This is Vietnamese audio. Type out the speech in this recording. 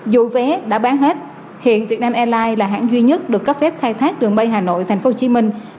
dù vé đã bán hết hiện việt nam airlines là hãng duy nhất được cấp phép khai thác đường bay hà nội thành phố hồ chí minh